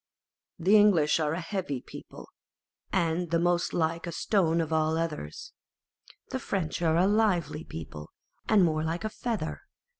The English are a heavy people, and the most like a stone of all others. The French are a lively people, and more like a feather.